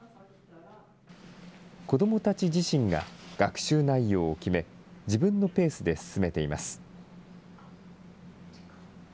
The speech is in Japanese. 子どもたち自身が学習内容を決め、自分のペースで進めています。